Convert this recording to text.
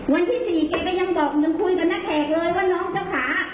วันที่๔แกก็ยังบอกยังคุยกับนักแขกเลยว่าน้องเจ้าขา